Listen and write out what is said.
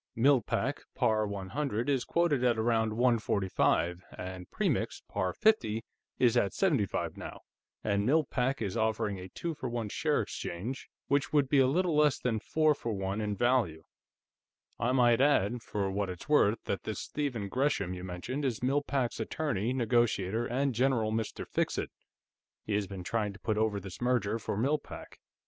Mill Pack, par 100, is quoted at around 145, and Premix, par 50, is at 75 now, and Mill Pack is offering a two for one share exchange, which would be a little less than four for one in value. I might add, for what it's worth, that this Stephen Gresham you mentioned is Mill Pack's attorney, negotiator, and general Mr. Fixit; he has been trying to put over this merger for Mill Pack."